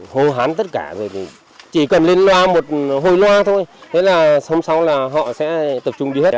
hồ hán tất cả rồi thì chỉ cần lên loa một hồi loa thôi thế là xong xong là họ sẽ tập trung đi hết